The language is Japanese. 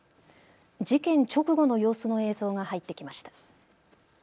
事件直後の様子の映像が入ってきました。